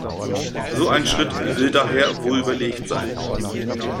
So ein Schritt will daher wohlüberlegt sein.